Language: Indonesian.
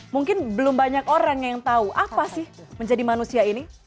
mungkin belum banyak orang yang tahu apa sih menjadi manusia ini